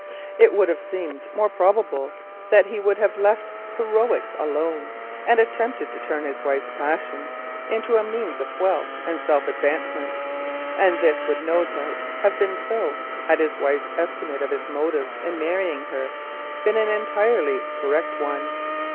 It would have seemed more probable that he would have left heroics alone and attempted to turn his wife's folly into a means of wealth and self advancement: and this would no doubt have been so had Mrs. Quest's estimate of his motives in marrying her been an entirely correct one.